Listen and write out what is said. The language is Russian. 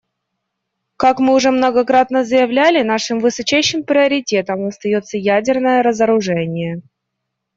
Как мы уже многократно заявляли, нашим высочайшим приоритетом остается ядерное разоружение.